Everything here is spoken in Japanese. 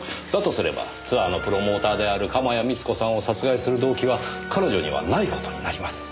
すればツアーのプロモーターである鎌谷充子さんを殺害する動機は彼女にはない事になります。